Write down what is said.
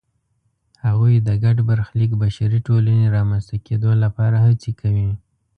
هغوی د ګډ برخلیک بشري ټولنې رامنځته کېدو لپاره هڅې کوي.